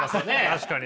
確かにな。